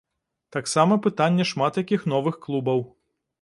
Таксама пытанне шмат якіх новых клубаў.